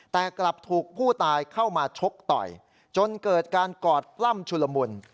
แต่กลับถูกผู้ตายเข้ามาชกต่อยจนเกิดการกอดปล้ำชุลมุน